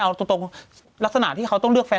เอาตรงลักษณะที่เขาต้องเลือกแฟน